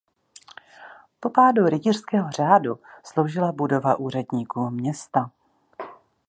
Po pádu rytířského řádu sloužila budova úředníkům města.